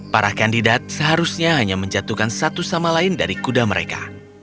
para kandidat seharusnya hanya menjatuhkan satu sama lain dari kuda mereka